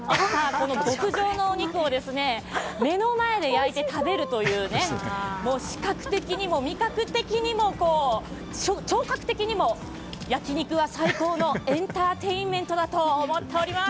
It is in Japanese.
この極上のお肉を目の前で焼いて食べるという視覚的にも味覚的にも聴覚的にも焼肉は最高のエンターテインメントだと思っております！